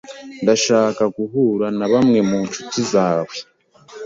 Ndashaka guhura na bamwe mu nshuti zawe.